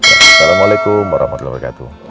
assalamualaikum warahmatullahi wabarakatuh